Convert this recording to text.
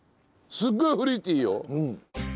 すっごいフルーティーよ。